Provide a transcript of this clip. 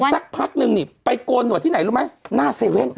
สักพักนึงนี่ไปโกนหวดที่ไหนรู้ไหมหน้าเว่น